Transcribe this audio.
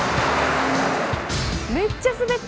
めっちゃ滑ってる。